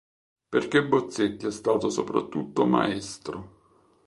Perché Bozzetti è stato soprattutto maestro.